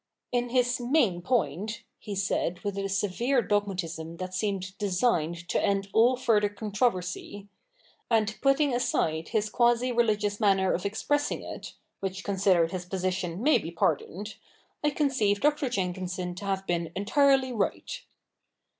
'In his main point,' he said with a severe dogmatism that seemed designed to end all further controversy, ' and putting aside his quasi religious manner of expressing it — which considering his position may be pardoned — I conceive Dr. Jenkinson to have been entirely right.'